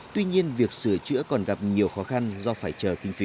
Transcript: tuy nhiên việc sửa chữa còn gặp nhiều khó khăn do phải chờ kinh phí